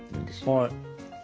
はい。